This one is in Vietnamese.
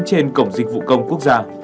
trên cổng dịch vụ công quốc gia